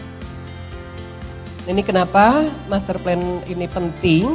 dan ini kenapa master plan ini penting